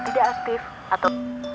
tidak aktif atau